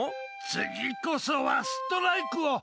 次こそはストライクを。